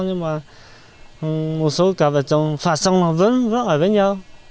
nhưng mà một số cặp vợ chồng phạm xong vẫn ở với nhau